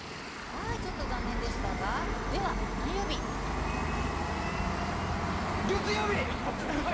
ちょっと残念でしたが月曜日！